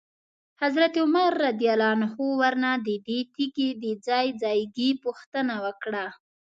حضرت عمر رضی الله عنه ورنه ددې تیږي د ځای ځایګي پوښتنه وکړه.